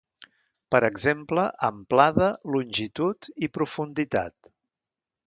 Per exemple, amplada, longitud i profunditat.